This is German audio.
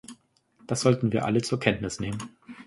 Das sollten wir alle zur Kenntnis nehmen.